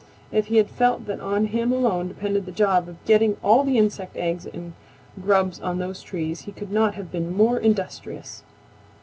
If he had felt that on him alone depended the job of getting all the insect eggs and grubs on those trees he could not have been more industrious.